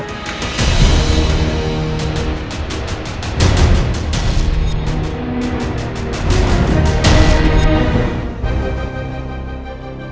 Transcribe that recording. tante sering mencari roy